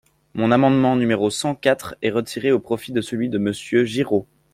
Mon amendement numéro cent quatre est retiré au profit de celui de Monsieur Giraud.